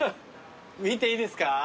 見ていいですか？